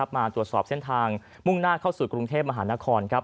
มาตรวจสอบเส้นทางมุ่งหน้าเข้าสู่กรุงเทพมหานคร